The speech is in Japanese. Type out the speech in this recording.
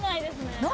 何？